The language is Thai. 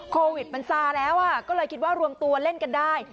โควิดมันซาแล้วก็เลยคิดว่ารวมตัวเล่นกันได้